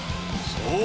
そう！